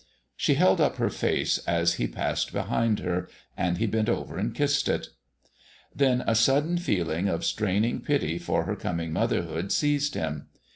She held up her face as he passed behind her, and he bent over and kissed it. Then a sudden feeling of straining pity for her coming motherhood seized him.